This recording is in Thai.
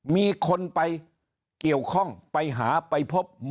มีคนไปเกี่ยวข้องไปหาไปพบมากเลยนะครับ